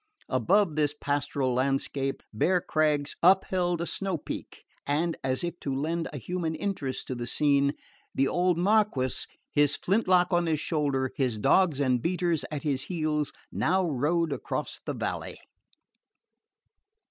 Above this pastoral landscape, bare crags upheld a snowpeak; and, as if to lend a human interest to the scene, the old Marquess, his flintlock on his shoulder, his dogs and beaters at his heels, now rode across the valley.